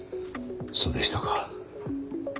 そうでしたか。